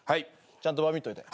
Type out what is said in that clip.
ちゃんとバミっといて。